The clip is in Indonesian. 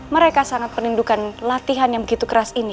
mereka sangat merindukan latihan yang begitu keras ini